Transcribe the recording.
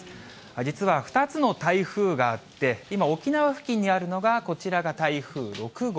実は２つの台風があって、今、沖縄付近にあるのがこちらが台風６号。